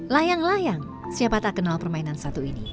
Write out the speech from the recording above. layang layang siapa tak kenal permainan satu ini